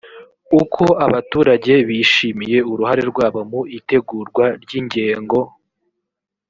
uko abaturage bishimiye uruhare rwabo mu itegurwa ry ingengo